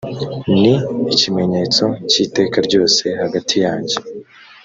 ni ikimenyetso cy iteka ryose hagati yanjye